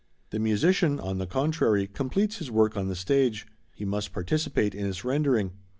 The musician, on the contrary, completes his work on the stage. He must participate in its rendering.